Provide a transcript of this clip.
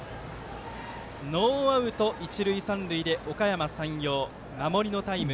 ノーアウト、一塁三塁でおかやま山陽、守りのタイム。